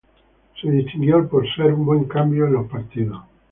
Se distinguió por ser un buen cambio en los partidos.